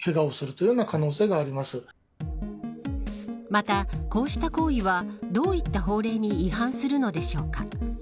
また、こうした行為はどういった法令に違反するのでしょうか。